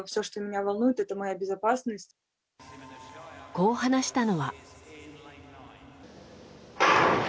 こう話したのは。